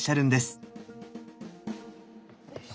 よいしょ。